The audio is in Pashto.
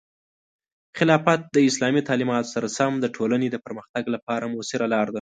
خلافت د اسلامي تعلیماتو سره سم د ټولنې د پرمختګ لپاره مؤثره لاره ده.